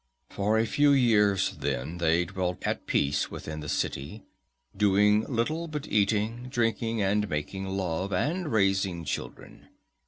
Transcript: "For a few years, then, they dwelt at peace within the city, doing little but eating, drinking and making love, and raising children.